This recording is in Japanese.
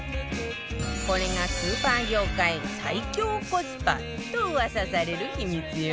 これがスーパー業界最強コスパと噂される秘密よ